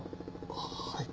はい。